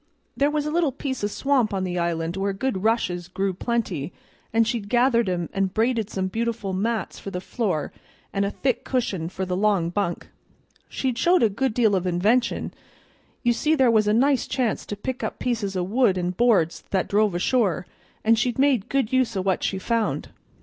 There was a little piece o' swamp on the island where good rushes grew plenty, and she'd gathered 'em, and braided some beautiful mats for the floor and a thick cushion for the long bunk. She'd showed a good deal of invention; you see there was a nice chance to pick up pieces o' wood and boards that drove ashore, and she'd made good use o' what she found.